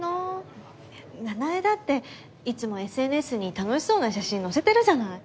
奈々江だっていつもＳＮＳに楽しそうな写真載せてるじゃない！